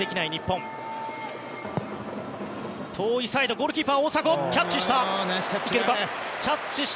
ゴールキーパー大迫、キャッチした。